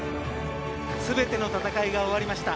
すべての戦いが終わりました。